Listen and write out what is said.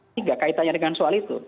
tiga kaitannya dengan soal itu